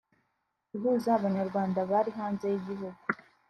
guhuza Abanyarwanda bari hanze y’igihugu